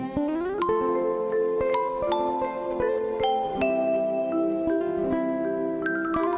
โปรดติดตามตอนต่อไป